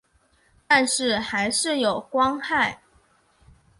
但是还是有光害